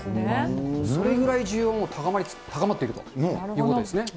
それぐらい需要も高まっているということですね。